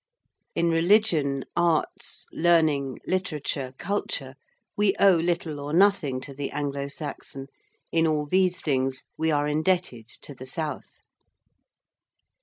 In religion, arts, learning, literature, culture, we owe little or nothing to the Anglo Saxon. In all these things we are indebted to the South.